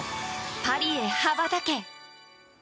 パリへ羽ばたけ！